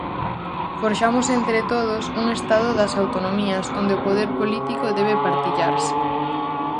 Forxamos entre todos un Estado das Autonomías onde o poder político debe partillarse.